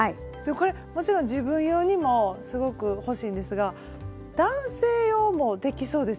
これもちろん自分用にもすごく欲しいんですが男性用もできそうですよね。